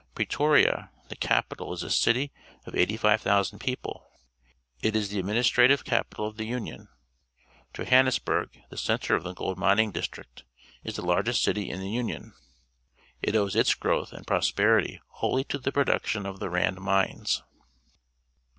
Pretoria, the f' ppitnl is a city of 85,000 people. It is the adniinistrative capital of the Union. Johanncsbinri, t}\ (i cpntrp of the gol d mi ning district, is the Iar;j;f' t city in the Union. Tt owes its {irowtli .■md ]>nisi)erity wholly to the production of the Rand mines.